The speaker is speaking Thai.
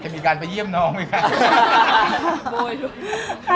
มีการไปเยี่ยมน้องไหมคะ